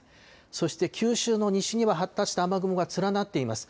そして九州の西には発達した雨雲が連なっています。